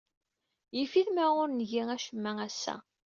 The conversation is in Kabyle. Yif-it ma ur ngi acemma ass-a.